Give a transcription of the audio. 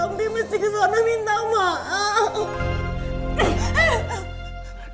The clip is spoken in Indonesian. empi masih kesana minta maaf